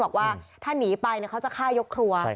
บอกว่าถ้าหนีไปเขาจะฆ่ายกครัว